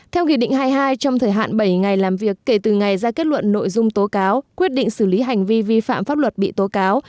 theo nghị định hai mươi hai trong thời hạn bảy ngày làm việc kể từ ngày ra kết luận nội dung tố cáo quyết định xử lý hành vi vi phạm pháp luật bị tố cáo